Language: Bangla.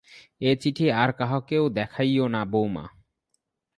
এ চিঠি আর কাহাকেও দেখাইয়ো না, বউমা।